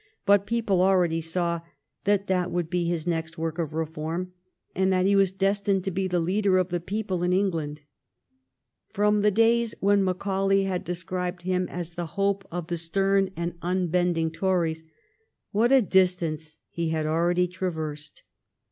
But people already saw that that would be his next work of reform, and that he was des tined to be the leader of the people in England. From the days when Macaulay had described him as the hope of the stern and unbending Tories, what a distance he had already traversed!